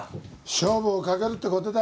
勝負をかけるって事だよ。